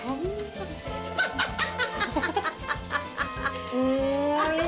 ハハハハハ。